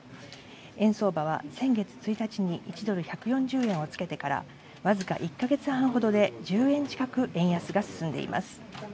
円相場は先月１日に１ドル＝１４０円をつけてからわずか１か月半ほどで１０円近く円安が進んでいます。